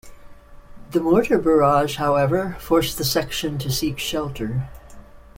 The mortar barrage, however, forced the section to seek shelter.